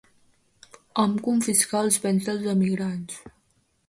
Hom confiscà els béns dels emigrats.